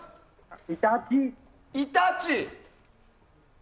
イタチ。